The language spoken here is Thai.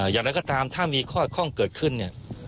อย่างไรก็ตามถ้ามีข้อคล่องเกิดขึ้นเนี่ย